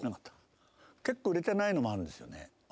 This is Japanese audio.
結構売れてないのもあるんですよね。